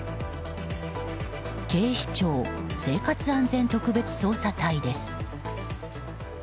警視庁生活安全特別捜査隊です。